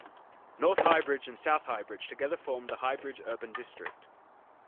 North Highbridge and South Highbridge together formed the Highbrige Urban District.